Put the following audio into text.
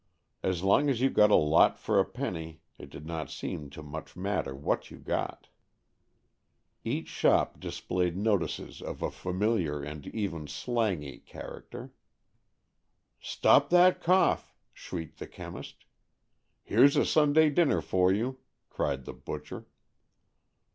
As long as you got a lot for a penny, it did not seem to much matter what you got. Each shop displayed 44 AN EXCHANGE OF SOULS notices of a familiar and even slangy character. '' Stop that cough !" shrieked the chemist. " Here's a Sunday dinner for you," cried the butcher.